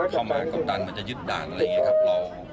ความมากกำดันมันจะยึดด่าะหรืออะไรอย่างนี้ครับ